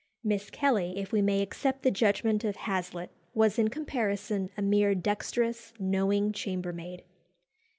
Miss Kelly, if we may accept the judgment of Hazlitt, was in comparison a mere dexterous, knowing chambermaid.